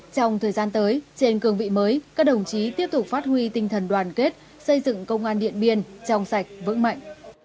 trong thời gian tới trên cường vị mới các đồng chí tiếp tục phát huy tinh thần đoàn kết xây dựng công an điện biên trong sạch vững mạnh